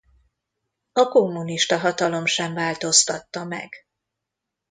A kommunista hatalom sem változtatta meg.